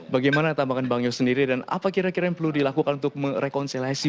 bagaimana tambahan bang yos sendiri dan apa kira kira yang perlu dilakukan untuk merekonstelasi